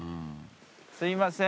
すいません。